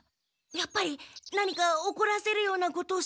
やっぱり何かおこらせるようなことしたの？